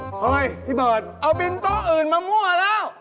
เฮ้ยพี่เบิร์ตเอาบินโต๊ะอื่นมามั่วแล้ว